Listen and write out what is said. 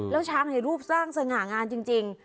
แล้วช้างในรูปสร้างสง่างามจริง